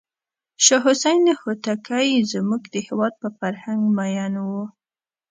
شاه حسین هوتکی زموږ د هېواد په فرهنګ مینو و.